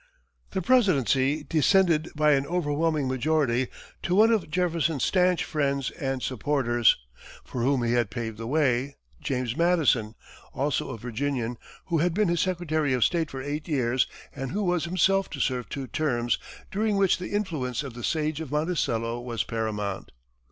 The presidency descended, by an overwhelming majority, to one of Jefferson's stanch friends and supporters, for whom he had paved the way James Madison, also a Virginian, who had been his secretary of state for eight years, and who was himself to serve two terms, during which the influence of the "Sage of Monticello" was paramount.